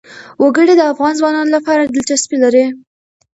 وګړي د افغان ځوانانو لپاره دلچسپي لري.